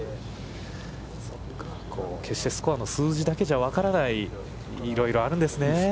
決してスコアの数字だけじゃ分からないものがいろいろあるんですね。